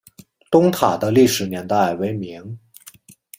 东塔的历史年代为明。